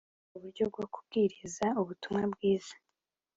ubwo buryo bwo kubwiriza ubutumwa bwiza